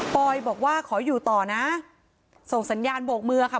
อยบอกว่าขออยู่ต่อนะส่งสัญญาณโบกมือค่ะ